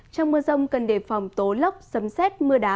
trong mưa rông cần đề phòng tố lốc sấm xét mưa đá